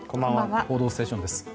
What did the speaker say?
「報道ステーション」です。